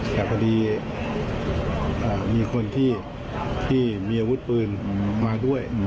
แต่พอดีมีคนที่มีอาวุธปืนมาด้วย